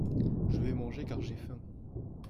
Je vais manger car j’ai faim.